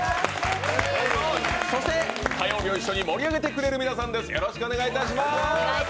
そして火曜日を一緒に盛り上げてくれる皆さんです。